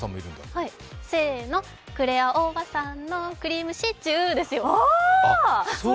クレアおばさんのクリームシチューですよ。